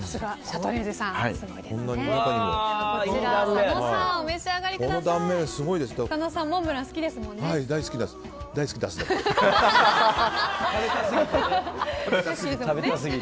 佐野さん、お召し上がりください。